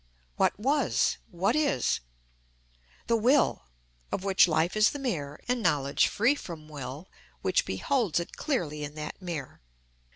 What was? What is? The will, of which life is the mirror, and knowledge free from will, which beholds it clearly in that mirror.